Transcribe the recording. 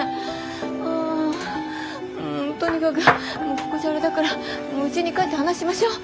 はぁとにかくここじゃあれだからうちに帰って話しましょう。